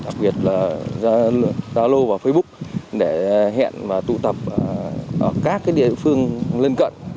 đặc biệt là download vào facebook để hẹn và tụ tập các địa phương lên cận